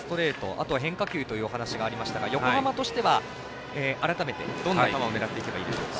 あとは変化球というお話がありましたが横浜としては、改めてどんな球を狙っていけばいいでしょうか。